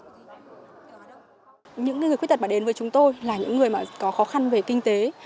những người khuyết tật mà đến với chúng tôi là những người có khó khăn về kinh tế